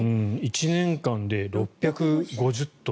１年間で６５０頭。